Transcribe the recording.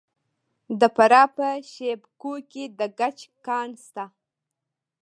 د فراه په شیب کوه کې د ګچ کان شته.